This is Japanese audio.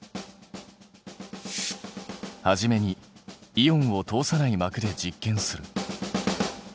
初めにイオンを通さない膜で実験する。